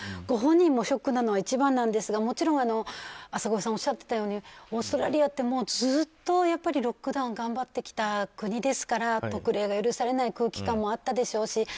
ご本人もショックなのは一番ですが、もちろん浅越さんがおっしゃったようにオーストラリアってずっとロックダウン頑張ってきた国ですから特例が許されない空気感もあったでしょうし。